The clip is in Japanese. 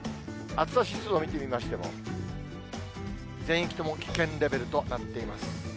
暑さ指数を見てみましても、全域とも危険レベルとなっています。